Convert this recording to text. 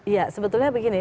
ya sebetulnya begini